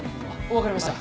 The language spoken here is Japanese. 分かりました。